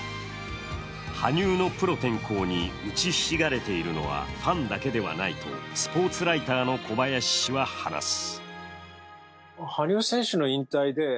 羽生のプロ転向に打ちひしがれているのはファンだけではないとスポーツライターの小林氏は話す。